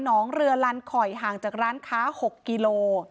องเรือลันคอยห่างจากร้านค้า๖กิโล